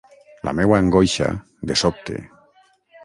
La meua angoixa, de sobte.